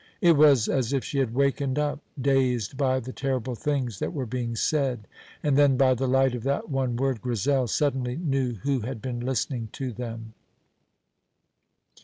It was as if she had wakened up, dazed by the terrible things that were being said, and then, by the light of that one word "Grizel," suddenly knew who had been listening to them.